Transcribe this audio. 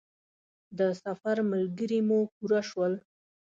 د سفر ملګري مو پوره شول.